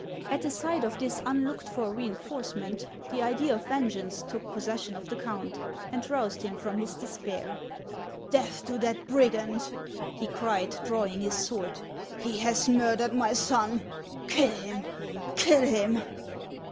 At the sight of this unlooked for reinforcement the idea of vengeance took possession of the count, and roused him from his despair. " Death to that brigand !" he cried, drawing his sword ;" he has murdered my son ! Kill him ! kill him